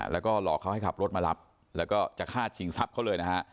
แล้วก็หลอกเขาให้ขับรถมารับแล้วก็จะฆ่าชิงทรัพย์เขาเลยนะฮะ